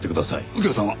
右京さんは？